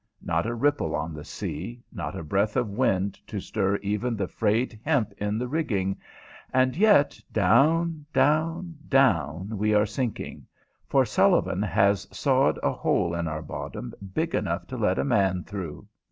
Not a ripple on the sea, not a breath of wind to stir even the frayed hemp in the rigging, and yet down, down, down we are sinking, for Sullivan has sawed a hole in our bottom big enough to let a man through!